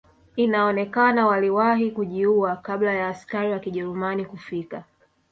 Inaonekana waliwahi kujiua kabla ya askari wa kijerumani kufika